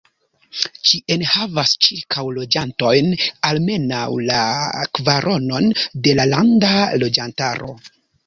Ĝi enhavas ĉirkaŭ loĝantojn, almenaŭ la kvaronon de la landa loĝantaro.